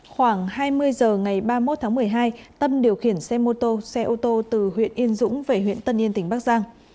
khoảng hai mươi giờ ngày ba mươi một tháng một mươi hai tâm điều khiển xe mô tô xe ô tô từ huyện yên dũng về huyện tân yên tỉnh bắc giang